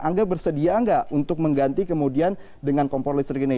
angga bersedia nggak untuk mengganti kemudian dengan kompor listrik ini